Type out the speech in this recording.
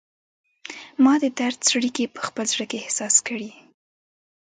ما د درد څړیکې په خپل زړه کې احساس کړي